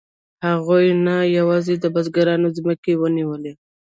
هغوی نه یوازې د بزګرانو ځمکې ونیولې